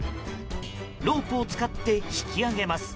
ロープを使って引き上げます。